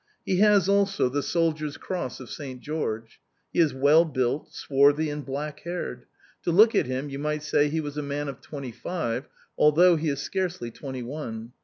He has also the soldier's cross of St. George. He is well built, swarthy and black haired. To look at him, you might say he was a man of twenty five, although he is scarcely twenty one.